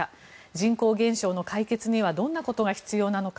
人口減少の解決にはどんなことが必要なのか。